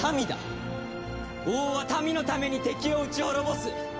王は民のために敵を討ち滅ぼす。